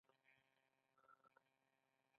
نو په پنځه افغانیو هم یو کیلو وریجې پېرو